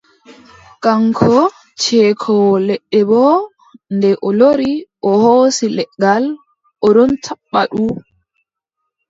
Kaŋko ceekoowo leɗɗe boo, nde o lori, o hoosi leggal o ɗon tappa ndu.